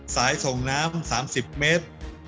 สายส่งน้ำ๓๐เมตร